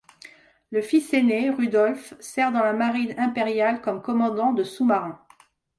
Le fils aîné, Rudolf, sert dans la marine impériale comme commandant de sous-marin.